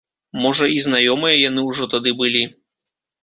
Можа, і знаёмыя яны ўжо тады былі.